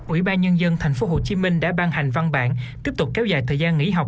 ủy ban nhân dân tp hcm đã ban hành văn bản tiếp tục kéo dài thời gian nghỉ học